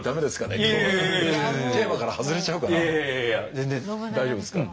全然大丈夫ですから。